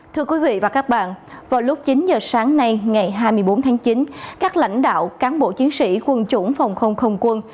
thưa quý vị và các bạn vào lúc chín giờ sáng nay ngày hai mươi bốn tháng chín các lãnh đạo cán bộ chiến sĩ quân chủng phòng không không quân